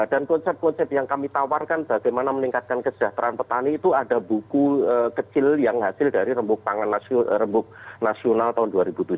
dan konsep konsep yang kami tawarkan bagaimana meningkatkan kesejahteraan petani itu ada buku kecil yang hasil dari rembuk pangan nasional tahun dua ribu tujuh belas